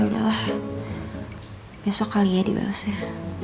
ya udahlah besok kali ya dibalasnya